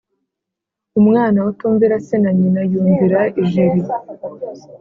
Umwana utumvira se na nyina yumvira ijeri